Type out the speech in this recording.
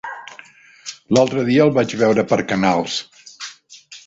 L'altre dia el vaig veure per Canals.